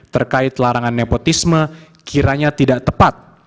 terkait larangan nepotisme kiranya tidak tepat